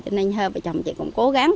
cho nên hơ vợ chồng chị cũng cố gắng